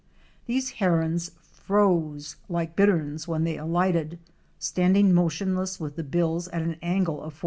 These herons "froze" like Bitterns when they alighted, standing motionless with the bills at an angle of 45°.